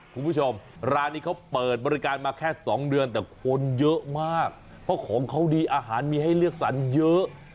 คุณผู้ชมร้านนี้เขาเปิดบริการมาแค่๒เดือนแต่คนเยอะมากเพราะของเขาดีอาหารมีให้เลือกสรรเยอะ